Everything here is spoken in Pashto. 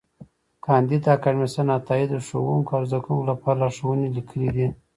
کانديد اکاډميسن عطایي د ښوونکو او زدهکوونکو لپاره لارښوونې لیکلې دي.